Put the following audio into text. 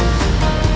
jadi kita mulai